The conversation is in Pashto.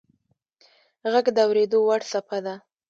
• ږغ د اورېدو وړ څپه ده.